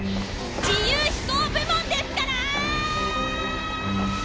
自由飛行部門ですから！